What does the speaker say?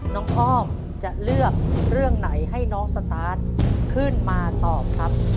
น้องอ้อมจะเลือกเรื่องไหนให้น้องสตาร์ทขึ้นมาตอบครับ